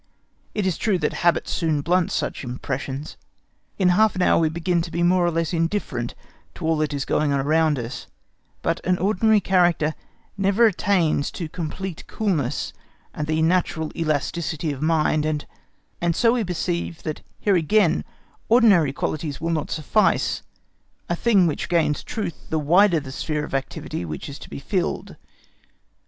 It is true that habit soon blunts such impressions; in half in hour we begin to be more or less indifferent to all that is going on around us: but an ordinary character never attains to complete coolness and the natural elasticity of mind; and so we perceive that here again ordinary qualities will not suffice—a thing which gains truth, the wider the sphere of activity which is to be filled.